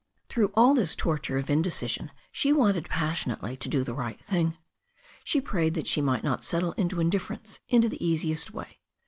Through all this torture of indecision she wanted passion ately to do the right thing. She prayed that she might not settle into indifference, into the easiest way.